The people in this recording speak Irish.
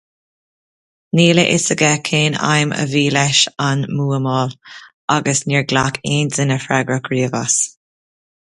Níl a fhios aige cén aidhm a bhí leis an mbuamáil, agus níor ghlac aon duine freagracht riamh as.